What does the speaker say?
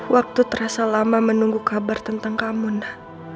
waktu terasa lama menunggu kabar tentang kamu nak